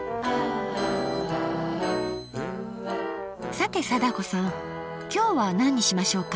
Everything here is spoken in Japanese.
さて貞子さん今日は何にしましょうか。